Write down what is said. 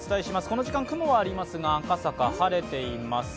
この時間、雲はありますが赤坂、晴れています。